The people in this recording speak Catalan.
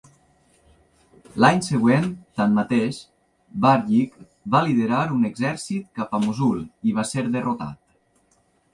L'any següent, tanmateix, Barjik va liderar un exèrcit cap a Mosul i va ser derrotat.